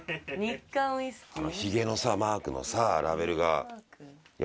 ヒゲのマークのさラベルが。